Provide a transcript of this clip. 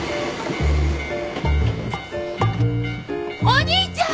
お兄ちゃん！